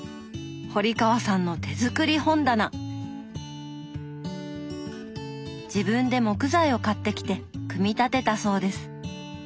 堀川さんの自分で木材を買ってきて組み立てたそうです。